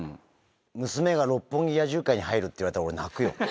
娘が六本木野獣会に入るって言われたら、俺、泣くよ。